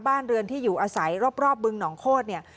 บ้านเรือนที่อยู่อาศัยรอบบึงหนองโคตรเนี่ย